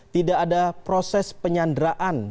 tidak ada proses penyanderaan